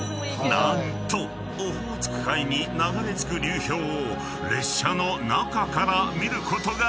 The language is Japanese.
何とオホーツク海に流れ着く流氷を列車の中から見ることができるのだ！］